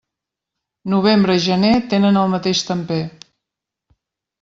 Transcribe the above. Novembre i gener tenen el mateix temper.